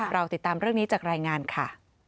เราติดตามเรื่องนี้จากรายงานค่ะ